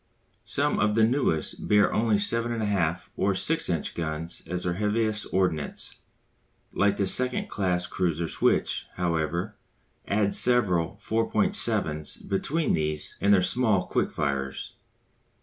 Some of the newest bear only 7 1/2 or 6 inch guns as their heaviest ordnance; like the second class cruisers which, however, add several 4.7's between these and their small quick firers.